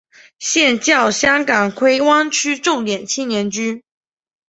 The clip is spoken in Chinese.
现教香港荃湾区重点青年军。